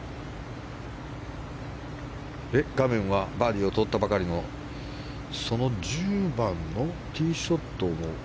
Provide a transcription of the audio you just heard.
画面はバーディーをとったばかりの金谷、その１０番のティーショットを。